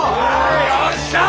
よっしゃ！